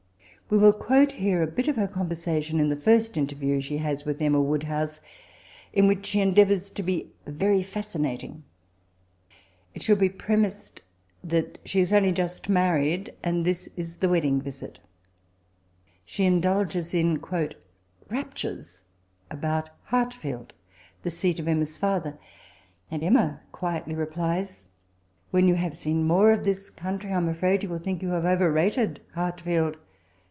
We will quote here a bit oif her conversation in the first inter view she has with Emma Woodhouae, in which she ifdeavours to be very fascinating. It should be {^remised that she is only just married, and this is the wedding visit She in dulges in '* raptures" about Hart fleld (the seat of Emma's father), and Emma quietly replies:—* <«< When you have seen more of this country, I am afraid you will think you have overrated Hartfield.